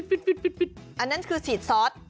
อันนั้นคือฉีดซอส